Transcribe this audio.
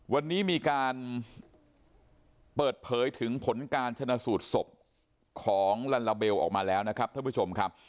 วันนี้มีการเปิดเผยถึงผลการชนะสูตรศพของลัลลาเบลออกมาแล้วนะครับท่านผู้ชมครับ